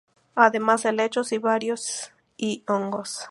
Además helechos varios y hongos.